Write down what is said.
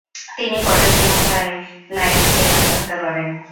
তিনি potassium cyanide খেয়ে আত্মহত্যা করেন।